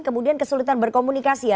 kemudian kesulitan berkomunikasi